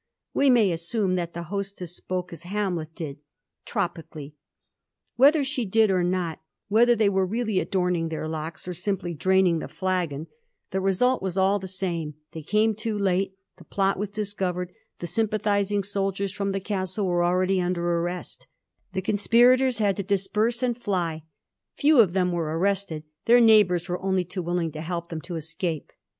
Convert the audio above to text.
We may assume that the hostess spoke as Hamlet did, * tropically.' Whether she did or not — ^whether they were really adorning their locks, or simply draining the flagon — ^the result was all Digiti zed by Google 172 A HISTORY OF THE POUR GEORGES. ch, to. the same. They came too late; the plot was dis* covered ; the sympathismg soldiers from the Castle were already mider arrest. The conspirators had to disperse and fly; few of them were arrested; their neighbom s were only too willing to help them to escape.